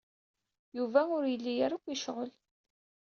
Yuba ur yelli ara akk yecɣel.